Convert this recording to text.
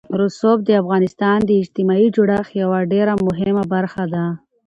رسوب د افغانستان د اجتماعي جوړښت یوه ډېره مهمه برخه ده.